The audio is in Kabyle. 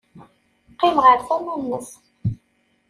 Qqimeɣ ɣer tama-nnes.